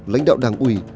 lãnh đạo đảng ủy